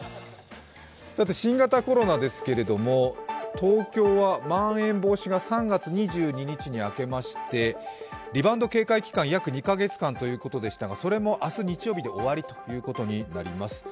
新型コロナですが、東京はまん延防止が３月２２日に明けましてリバウンド警戒期間が約２カ月間ということでしたがそれも明日日曜日で終わりということになります。